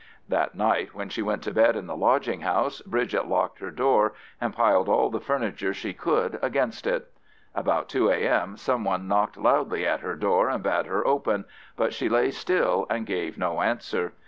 That night, when she went to bed in the lodging house, Bridget locked her door and piled all the furniture she could against it. About 2 A.M. some one knocked loudly at her door and bade her open, but she lay still and gave no answer.